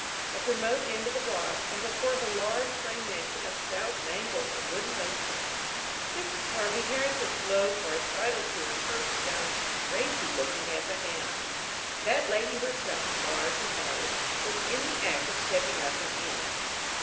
At the remote end of the block and before her large frame mansion of a thousand angles and wooden lace work, Mrs. Harvey Herrington's low car sidled to her curb stone, racy looking as a hound. That lady herself, large and modish, was in the act of stepping up and in.